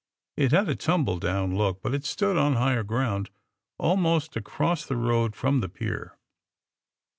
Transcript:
It had a tumble down look, but it stood on higher gronnd almost across the road from the pier.